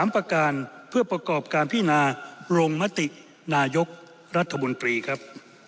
ประการเพื่อประกอบการพินาลงมตินายกรัฐมนตรีครับ